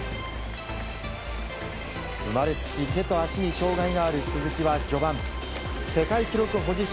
生まれつき手と足に障害がある鈴木は序盤世界記録保持者